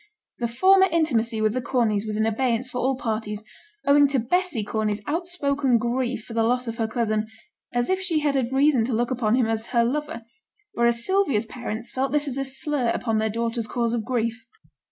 The former intimacy with the Corneys was in abeyance for all parties, owing to Bessy Corney's out spoken grief for the loss of her cousin, as if she had had reason to look upon him as her lover, whereas Sylvia's parents felt this as a slur upon their daughter's cause of grief.